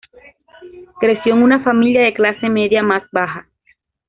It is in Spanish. Creció en una familia de clase media más baja.